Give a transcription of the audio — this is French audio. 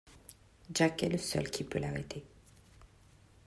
Jack est le seul qui peut l'arrêter.